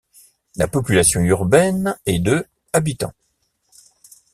La population urbaine est de habitants.